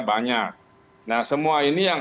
banyak nah semua ini yang